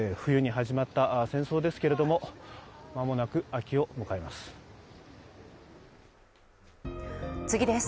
冬に始まった戦争ですが間もなく秋を迎えます。